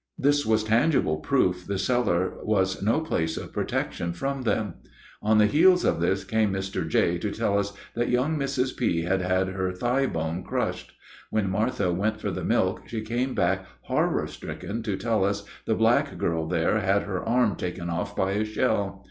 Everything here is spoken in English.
This was tangible proof the cellar was no place of protection from them. On the heels of this came Mr. J. to tell us that young Mrs. P. had had her thigh bone crushed. When Martha went for the milk she came back horror stricken to tell us the black girl there had her arm taken off by a shell.